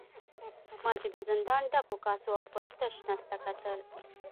ما چې د زندان ډکو کاسو او خپل تش نس ته کتل.